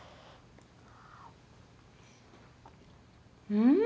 うん！